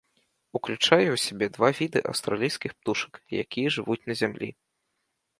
Уключае ў сябе два віды аўстралійскіх птушак, якія жывуць на зямлі.